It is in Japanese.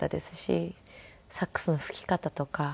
サックスの吹き方とか。